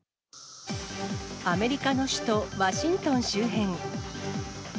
アメリカの首都ワシントン周辺。